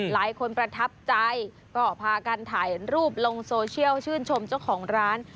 ประทับใจก็พากันถ่ายรูปลงโซเชียลชื่นชมเจ้าของร้าน